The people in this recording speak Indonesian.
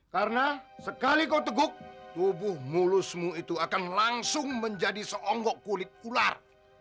karena sekali kau teguk tubuh mulusmu itu akan langsung menjadi seonggok kulit ular